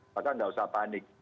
maka enggak usah panik